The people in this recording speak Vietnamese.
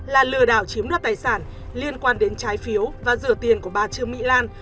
là lừa đảo chiếm đoạt tài sản liên quan đến trái phiếu và rửa tiền của bà trương mỹ lan